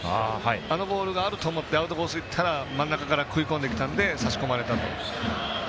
あのボールがあると思ってアウトコースいったら真ん中から食い込んできたので差し込まれたと。